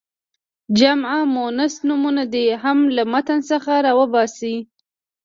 جمع مؤنث نومونه دې هم له متن څخه را وباسي.